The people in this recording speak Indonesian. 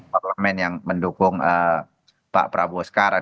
parlemen yang mendukung pak prabowo sekarang